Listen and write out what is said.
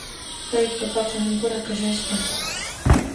Kay papaqa hankuras kashasqa.